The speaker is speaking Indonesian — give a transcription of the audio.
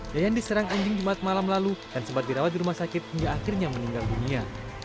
yayan diserang anjing jumat malam lalu dan sempat dirawat di rumah sakit hingga akhirnya meninggal dunia